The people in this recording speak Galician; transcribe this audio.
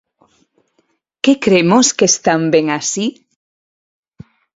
¿Que cremos que están ben así?